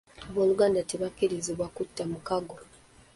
Abooluganda tebakkirizibwa kutta mukago.